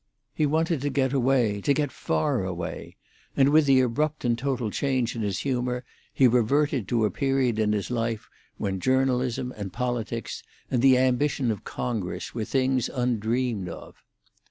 He wanted to get away, to get far away, and with the abrupt and total change in his humour he reverted to a period in his life when journalism and politics and the ambition of Congress were things undreamed of.